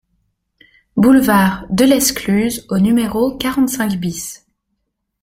Boulevard Delescluze au numéro quarante-cinq BIS